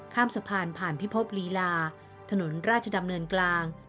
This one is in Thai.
ข้ามสะพานผ่านพิภพลีลาถนนราชดำเนินกลาง